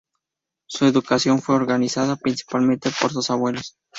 Su educación fue organizada principalmente por sus abuelos.